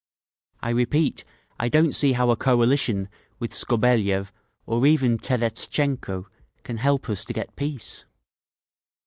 I repeat, I don't see how a coalition with Skobeliev, or even Terestchenko, can help us to get peace!